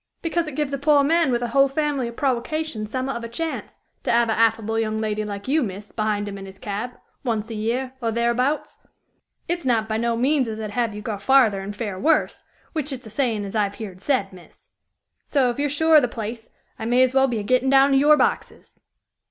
"Because it gives a poor man with a whole family o' prowocations some'at of a chance, to 'ave a affable young lady like you, miss, behind him in his cab, once a year, or thereabouts. It's not by no means as I'd have you go farther and fare worse, which it's a sayin' as I've heerd said, miss. So, if you're sure o' the place, I may as well be a gettin' down of your boxes."